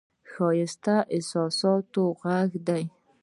ښایست د احساساتو غږ دی